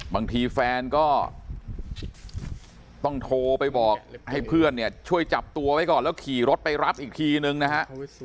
บางทีแฟนก็ต้องโทรไปบอกให้เพื่อนเนี่ยช่วยจับตัวไว้ก่อนแล้วขี่รถไปรับอีกทีนึงนะฮะ